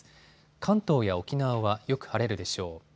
関東や沖縄はよく晴れるでしょう。